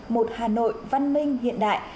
một hà nội văn minh hiện đại